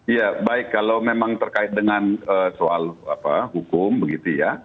ya baik kalau memang terkait dengan soal hukum begitu ya